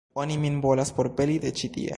Oni min volas forpeli de ĉi tie.